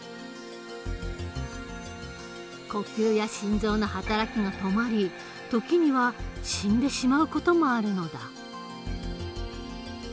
呼吸や心臓の働きが止まり時には死んでしまう事もあるのだ。